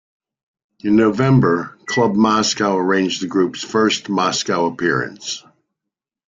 In November, club "Moscow" arranged the group's first Moscow appearance.